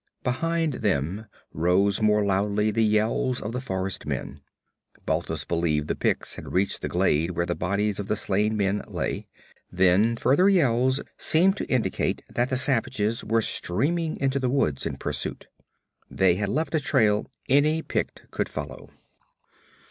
Behind them rose more loudly the yells of the forest men. Balthus believed the Picts had reached the glade where the bodies of the slain men lay. Then further yells seemed to indicate that the savages were streaming into the woods in pursuit. They had left a trail any Pict could follow.